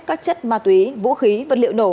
các chất ma túy vũ khí vật liệu nổ